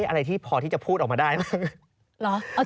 อะไรพอที่จะพูดออกมาได้มั้ย